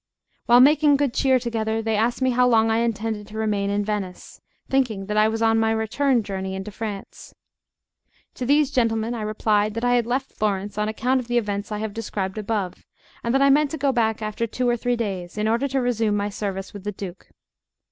While making good cheer together, they asked me how long I intended to remain in Venice, thinking that I was on my return journey into France. To these gentlemen I replied that I had left Florence on account of the events I have described above, and that I meant to go back after two or three days, in order to resume my service with the Duke.